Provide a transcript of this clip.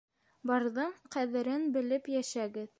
Барҙың ҡәҙерен белеп йәшәгеҙ!